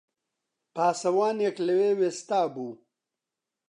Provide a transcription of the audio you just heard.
پاسەوانێک لەوێ وێستابوو